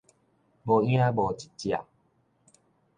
無影無一隻